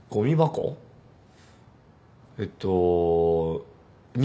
えっと２。